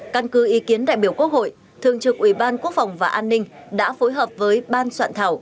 căn cứ ý kiến đại biểu quốc hội thường trực ủy ban quốc phòng và an ninh đã phối hợp với ban soạn thảo